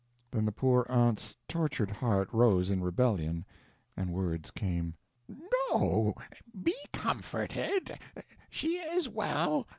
Then the poor aunt's tortured heart rose in rebellion, and words came: "No be comforted; she is well."